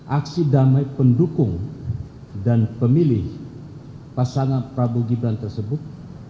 aksi damai pendukung dan pemilih pasangan prabowo gibran tersebut